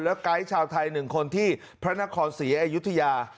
แล้วไกซ์ชาวไทยหนึ่งคนที่พระนครสีอายุทยา